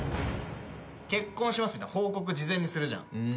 結婚しますみたいな報告事前にするじゃん。